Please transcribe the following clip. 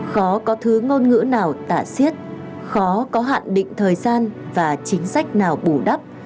khó có thứ ngôn ngữ nào tả xiết khó có hạn định thời gian và chính sách nào bù đắp